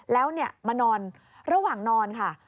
แล้วมานอนระหว่างนอนค่ะ